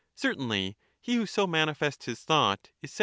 Certainly; he who so manifests his thought, is said ^^^^'^«